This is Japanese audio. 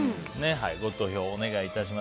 ご投票お願いします。